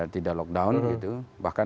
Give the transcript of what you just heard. tidak lockdown gitu bahkan